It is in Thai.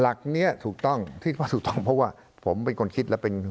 หลักเนี้ยถูกต้องคิดว่าถูกต้องเพราะว่าผมเป็นคนคิดและเป็น